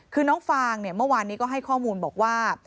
คือน้องฟางเนี่ยเมื่อวานนี้ก็ให้ข้อมูลบอกว่า